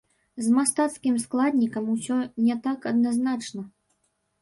З мастацкім складнікам усё не так адназначна.